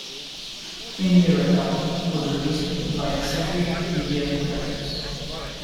In Europe album was released via Century Media Records.